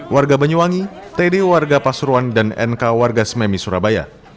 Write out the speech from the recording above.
warga banyuwangi td warga pasuruan dan nk warga sememi surabaya